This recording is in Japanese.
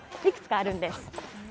いくつかあるんです。